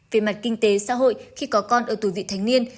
về mặt kinh tế xã hội khi có con ở tuổi vị thành niên